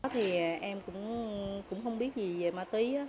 thì em cũng không biết gì về ma túy